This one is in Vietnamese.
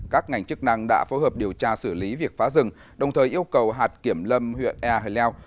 các ngành chức năng đã phối hợp điều tra xử lý việc phá rừng đồng thời yêu cầu hạt kiểm lâm huyện ea leo